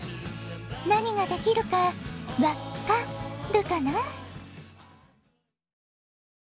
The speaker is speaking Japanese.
なにができるか「わっか」るかな？